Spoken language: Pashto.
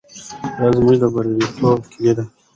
دا زموږ د بریالیتوب کیلي ده.